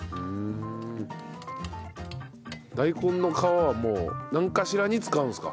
大根の皮はもうなんかしらに使うんですか？